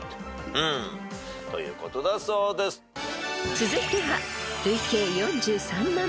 ［続いては］